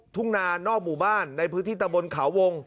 ทุ่งนานอกหมู่บ้านในพื้นที่ตะบนเขาวง